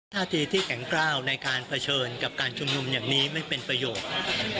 ท่าทีที่แข็งกล้าวในการเผชิญกับการชุมนุมอย่างนี้ไม่เป็นประโยชน์